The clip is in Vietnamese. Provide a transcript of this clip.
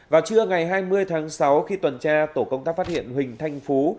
vào trưa ngày hai mươi tháng sáu khi tuần tra tổ công tác phát hiện huỳnh thanh phú